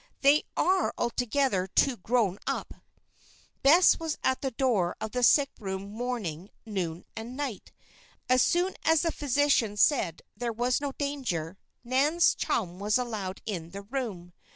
They are altogether too grown up." Bess was at the door of the sick room morning, noon and night. As soon as the physician said there was no danger, Nan's chum was allowed in the room.